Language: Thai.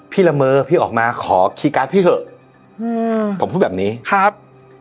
ละเมอพี่ออกมาขอคีย์การ์ดพี่เถอะอืมผมพูดแบบนี้ครับ